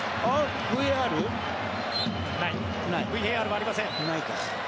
ＶＡＲはありません。